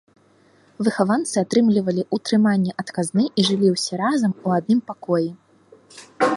Выхаванцы атрымлівалі ўтрыманне ад казны і жылі ўсе разам у адным пакоі.